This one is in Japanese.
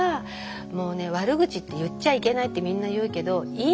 もうね「悪口って言っちゃいけない」ってみんな言うけどいいんですもう。